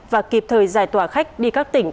và kịp thời giải tỏa khách đi các tỉnh